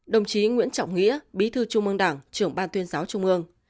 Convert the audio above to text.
đồng chí nguyễn trọng nghĩa bí thư trung ương đảng trưởng ban tuyên giáo trung ương